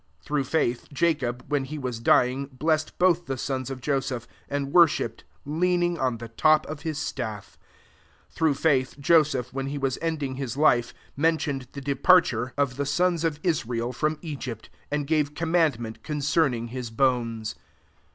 £1 Through faith, Jacob, when he was dy ing, blessed both the sons of Joseph ; and worshipped, lean ing on the top of his sti^. 2£ Through faith, Joseph, when he was ending his life, men tioned the departure of the HEBREWS XII. S63 ions of Ispiel ./rom Egyfit: and ^▼e commandment concerning lis bones.